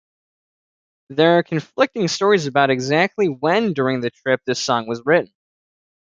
There are conflicting stories about exactly when during the trip this song was written.